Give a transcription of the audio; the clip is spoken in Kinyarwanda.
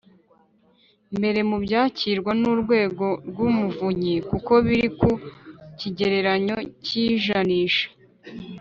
mbere mu byakirwa n Urwego rw Umuvunyi kuko biri ku kigereranyo cy ijanisha